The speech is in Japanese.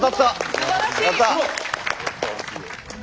すばらしい！